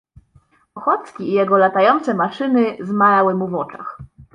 "Ochocki i jego latające maszyny zmalały mu w oczach."